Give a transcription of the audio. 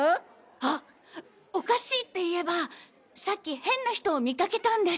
あおかしいっていえばさっき変な人を見かけたんです。